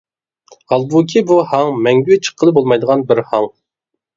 ھالبۇكى بۇ ھاڭ مەڭگۈ چىققىلى بولمايدىغان بىر ھاڭ.